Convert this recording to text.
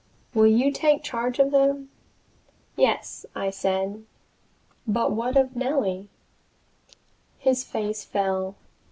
Will you take charge of them?" "Yes," I said. "But what of Nellie?" His face fell.